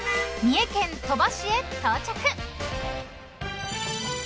［三重県鳥羽市へ到着］